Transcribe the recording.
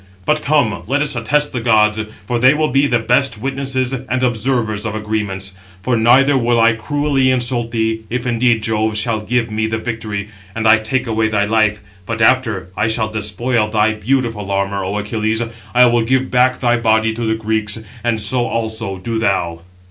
But come, let us attest the gods; for they will be the best witnesses and observers of agreements. For neither will I cruelly insult thee, if indeed Jove shall give me the victory, and I take away thy life; but after I shall despoil thy beautiful armour, O Achilles, I will give back thy body to the Greeks; and so also do thou."